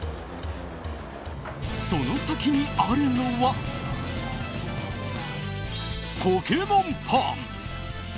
その先にあるのはポケモンパン。